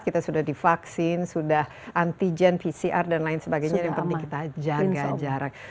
kita sudah divaksin sudah antigen pcr dan lain sebagainya yang penting kita jaga jarak